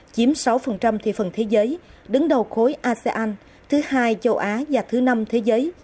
chiếm sáu thị phần thế giới đứng đầu khối asean thứ hai châu á và thứ năm thế giới